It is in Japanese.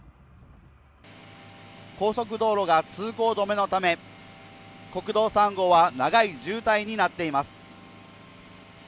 高速道路が通行止めのため、国道３号は長い渋滞になっています